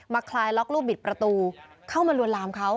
คลายล็อกลูกบิดประตูเข้ามาลวนลามเขา